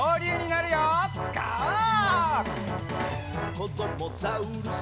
「こどもザウルス